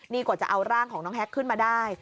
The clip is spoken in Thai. นี่กว่าจะเอาร่างของน้องแฮกขึ้นมาได้